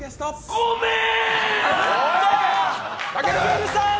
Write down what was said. ごめん！